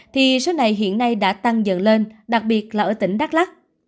thì số này hiện nay đã tăng dần lên đặc biệt là ở tỉnh đắk lắc